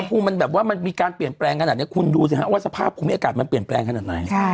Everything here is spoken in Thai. ภูมิมันแบบว่ามันมีการเปลี่ยนแปลงขนาดนี้คุณดูสิฮะว่าสภาพภูมิอากาศมันเปลี่ยนแปลงขนาดไหน